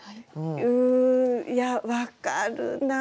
うんいや分かるな。